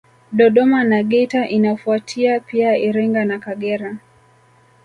Dodoma na Geita inafuatia pia Iringa na Kagera